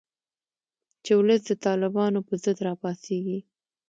چې ولس د طالبانو په ضد راپاڅیږي